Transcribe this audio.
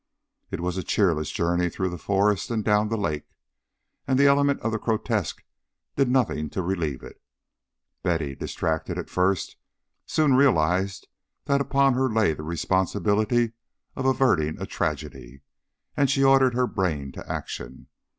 It was a cheerless journey through the forest and down the lake, and the element of the grotesque did nothing to relieve it. Betty, distracted at first, soon realized that upon her lay the responsibility of averting a tragedy, and she ordered her brain to action.